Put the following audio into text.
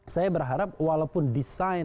saya berharap walaupun disalahkan